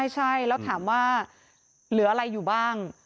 ใช่แล้วถามว่าเหลืออะไรอยู่บ้าง